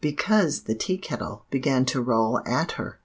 because the Tea Kettle began to roll at her.